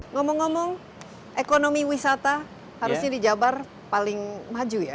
ngomong ngomong ekonomi wisata harusnya di jabar paling maju ya